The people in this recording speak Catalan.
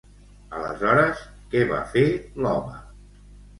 Aleshores, què va fer l'home?